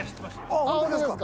あっホントですか！